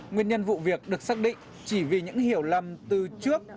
nguyên nhân vụ việc được xác định chỉ vì những hiểu lầm từ trước